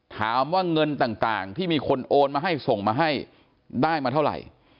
ถามว่าเงินต่างที่มีคนโอนมาให้ส่งมาให้ได้มาเท่าไหร่